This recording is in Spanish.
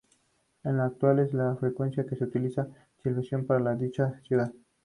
En la actualidad es la frecuencia que utiliza Chilevisión para dicha ciudad.